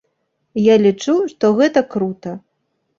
Я лічу, што гэта крута!